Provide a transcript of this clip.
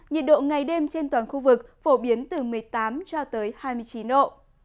nhiệt độ ngày đêm trên toàn khu vực phổ biến từ một mươi tám cho tới hai mươi chín độ